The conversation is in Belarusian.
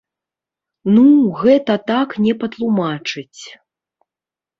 Ну, гэта так не патлумачыць.